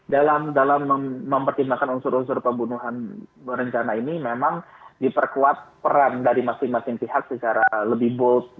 dalam mempertimbangkan unsur unsur pembunuhan berencana ini memang diperkuat peran dari masing masing pihak secara lebih bold